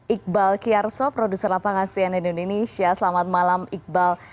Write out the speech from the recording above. iqbal kiyarso produser lapang asian indonesia selamat malam iqbal